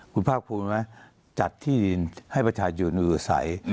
คุณภาคภูมิไหมจัดที่ดินให้ประชาชนอยู่อาศัย